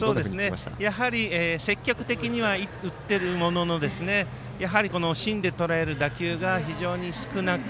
やはり、積極的には打ってるものの芯でとらえる打球が少なく